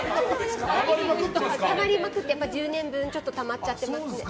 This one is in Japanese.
たまりまくって１０年分たまっちゃっていますね。